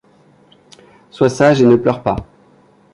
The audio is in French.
Sois sage et ne pleure pas.